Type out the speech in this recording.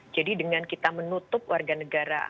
jadi dengan kita menutup warga negara